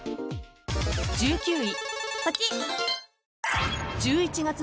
［１９位］